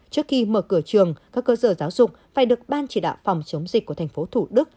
trước khi mở cửa trường các cơ sở giáo dục phải được ban chỉ đạo phòng chống dịch của tp thủ đức